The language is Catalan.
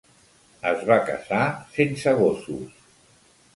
Es va casar sense gossos.